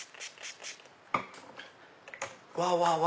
うわうわ！